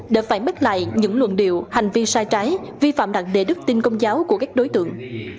để phản bích lại những luận điệu hành vi sai trái vi phạm đặng đề đức tin công giáo của các đối tượng